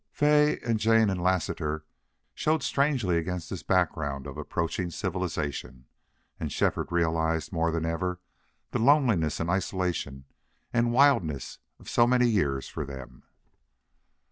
Fay and Jane and Lassiter showed strangely against this background of approaching civilization. And Shefford realized more than ever the loneliness and isolation and wildness of so many years for them.